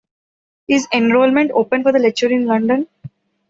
Is enrolment open for the lecture in London?